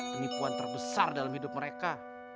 penipuan terbesar dalam hidup mereka